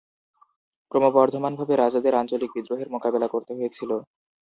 ক্রমবর্ধমানভাবে রাজাদের আঞ্চলিক বিদ্রোহের মোকাবিলা করতে হয়েছিল।